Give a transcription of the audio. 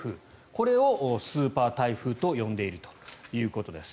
これをスーパー台風と呼んでいるということです。